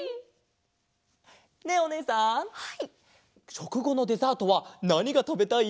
しょくごのデザートはなにがたべたい？